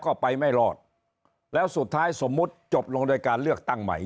ก็ไปไม่รอดแล้วสุดท้ายสมมุติจบลงโดยการเลือกตั้งใหม่